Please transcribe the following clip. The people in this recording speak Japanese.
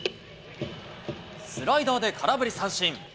スライダーで空振り三振。